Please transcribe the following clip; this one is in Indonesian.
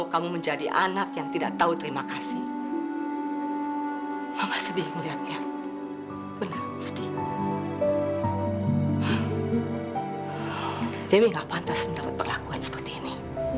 demi gak pantas mendapat perlakuan seperti ini